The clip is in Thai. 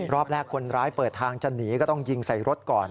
รอบแรกคนร้ายเปิดทางจะหนีก็ต้องยิงใส่รถก่อน